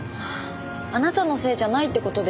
あなたのせいじゃないって事でしょ？